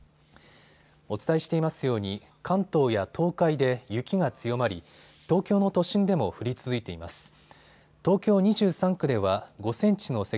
お伝えしていますように関東や東海で雪が強まり東京の都心でも降り続いています。